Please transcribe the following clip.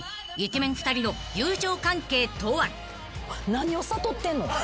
何を悟ってんの？